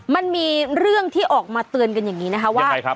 มันมีเรื่องที่ออกมาเตือนกันอย่างนี้นะคะว่า